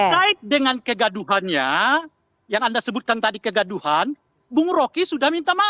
terkait dengan kegaduhannya yang anda sebutkan tadi kegaduhan bung rocky sudah minta maaf